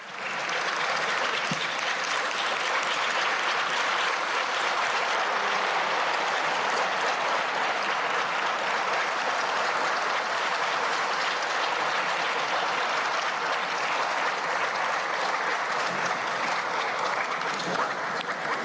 ขอบคุณคุณพิธามากครับ